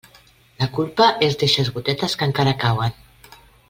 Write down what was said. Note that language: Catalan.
La culpa és d'eixes gotetes que encara cauen.